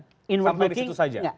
sampai di situ saja